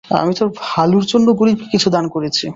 আমি তোর ভালোর জন্য গরিবকে কিছু দান করেছি।